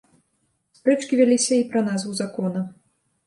Спрэчкі вяліся і пра назву закона.